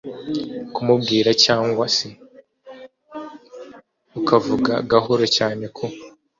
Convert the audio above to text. kumubwira; cyangwa se ukavuga gahoro cyane, ku